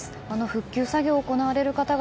復旧作業を行われる方々